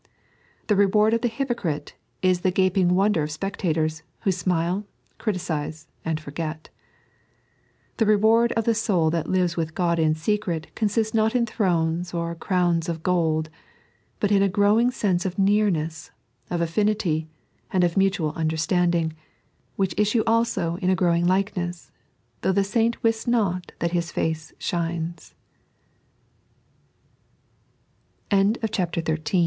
The reward of the hypocrite is the gaping wonder of spectators, who smile, criticise, and forget. The reward of the soul that lives with God in secret consists not in thrones or crowns of gold, but in a growing sense of nearness, of affinity, and of mutual understanding which issue also in a growing likeness, though the saint wi^ not that his fa